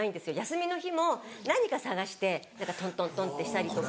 休みの日も何か探してトントントンってしたりとか。